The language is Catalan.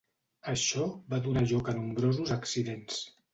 Això va donar lloc a nombrosos accidents.